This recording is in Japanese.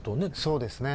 そうですね。